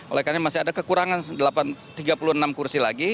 oleh karena masih ada kekurangan tiga puluh enam kursi lagi